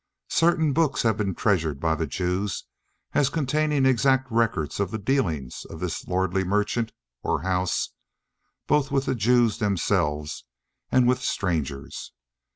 Certain books have been treasured by the Jews as containing exact records of the dealings of this lordly merchant (or house) both with the Jews themselves and with strangers.